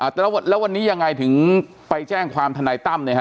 แล้ววันนี้ยังไงถึงไปแจ้งความทนายตั้มเนี่ยฮ